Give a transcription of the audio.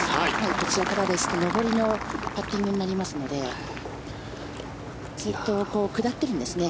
こちらからですと上りのパッティングになるのでずっと下ってるんですね。